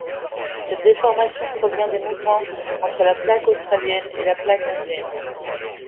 Cette déformation provient des mouvements entre la plaque australienne et la plaque indienne.